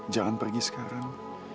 jangan pergi sekarang